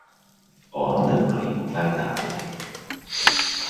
A randevúra hívott lány távozik.